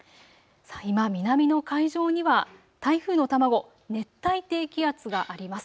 今、南の海上には台風の卵、熱帯低気圧があります。